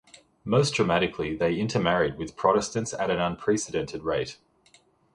Most dramatically, they intermarried with Protestants at an unprecedented rate.